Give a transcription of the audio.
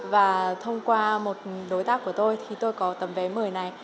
và thông qua một đối tác của tôi thì tôi có tấm vé mời này